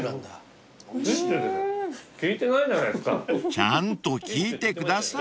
［ちゃんと聞いてください］